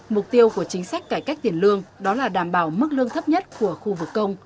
mục tiêu của chính sách cải cách tiền lương đó là đảm bảo mức lương thấp nhất của khu vực công